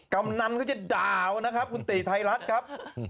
กำนันก็จะด่านะครับคุณติไทยรัฐครับ